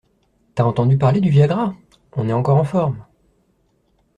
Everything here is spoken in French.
T’as entendu parler du Viagra ? On est encore en forme